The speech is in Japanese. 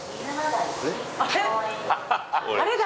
あれだ。